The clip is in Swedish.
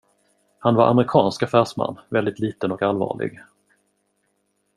Han var amerikansk affärsman väldigt liten och allvarlig.